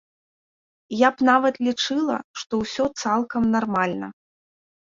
Я б нават лічыла, што ўсё цалкам нармальна.